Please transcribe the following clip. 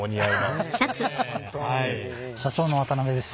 社長の渡辺です。